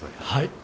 はい。